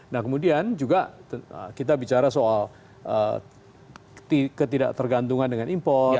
nah kemudian juga kita bicara soal ketidaktergantungan dengan impor